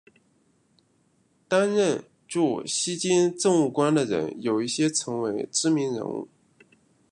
担任驻锡金政务官的人有一些成为知名人物。